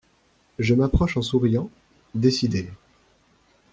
Je m’approche en souriant, décidée.